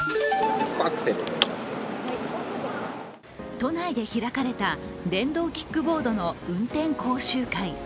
都内で開かれた電動キックボードの運転講習会。